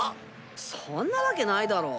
そんな訳ないだろ！